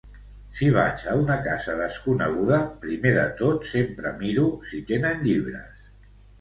Si vaig a una casa desconeguda, primer de tot sempre miro si tenen llibres.